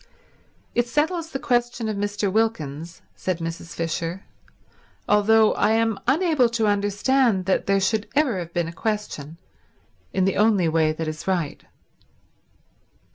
"It settles the question of Mr. Wilkins," said Mrs. Fisher, "although I am unable to understand that there should ever have been a question, in the only way that is right."